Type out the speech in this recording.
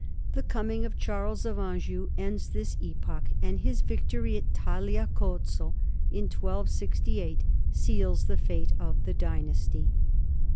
The coming of Charles of Anjou ends this epoch, and his victory at Tagliacozzo in 1268 seals the fate of the dynasty.